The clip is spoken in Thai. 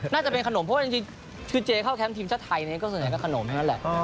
น่าจะเป็นขนมเพราะว่าจริงเจ๊เข้าแคมป์ทีมชาติไทยนี่ก็ส่วนใหญ่ก็ขนมแหละ